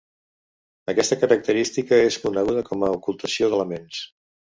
Aquesta característica és coneguda com a ocultació d'elements.